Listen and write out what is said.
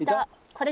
これ。